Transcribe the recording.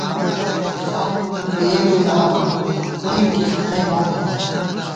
ژائےمونی پېئی بُوئی آما، ہِنکی ݪِی گئ موپېنہ